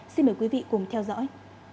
xin mời quý vị cùng theo dõi